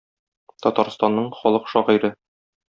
Татарстанның халык шагыйре.